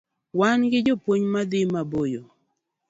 Wan gi jopuonj madhi mabeyo